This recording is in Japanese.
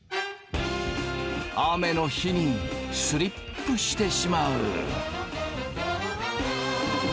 雨の日にスリップしてしまう。